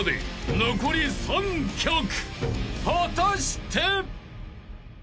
［果たして］